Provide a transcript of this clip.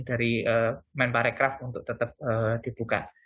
dari member aircraft untuk tetap dibuka